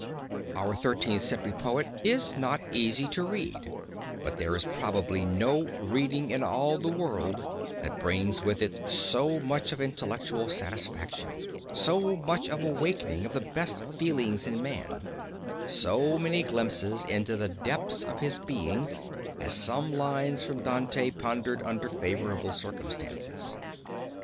Our Thirteenth Century poet is not easy to read but there is probably no reading in all the world that brings with it so much of intellectual satisfaction, so much of awakening of the best feelings in man, so many glimpses into the depths of his being, as some lines from Dante pondered under favorable circumstances.